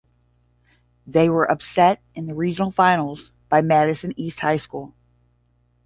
They were upset in the Regional Finals by Madison East High School.